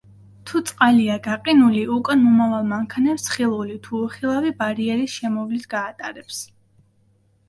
თუ წყალია გაყინული, უკან მომავალ მანქანებს ხილული, თუ უხილავი ბარიერის შემოვლით გაატარებს.